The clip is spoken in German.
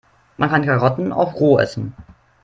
Man kann Karotten auch roh essen.